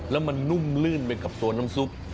แล้วมันนุ่มลื่นไปกับโซนน้ำซุป